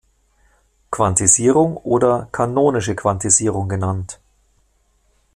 Quantisierung oder kanonische Quantisierung genannt.